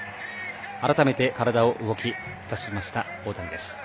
改めて、体を動かしだしました大谷です。